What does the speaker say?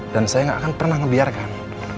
dan saya gak akan pernah membiarkan